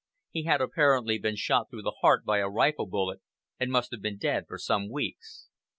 He had apparently been shot through the heart by a rifle bullet, and must have been dead for some weeks.